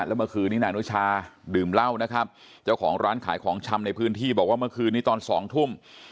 แล้วเมื่อคืนนี้นายอนุชาดื่มเหล้านะครับเจ้าของร้านขายของชำในพื้นที่บอกว่าเมื่อคืนนี้ตอนสองทุ่ม